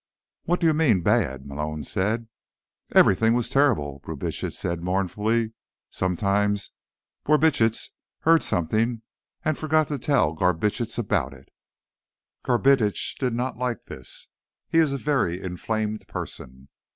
"What do you mean, bad?" Malone said. "Everything was terrible," Brubitsch said mournfully. "Sometimes Borbitsch heard something and forgot to tell Garbitsch about it. Garbitsch did not like this. He is a very inflamed person.